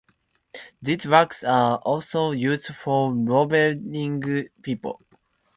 These drugs are also used for robbing people.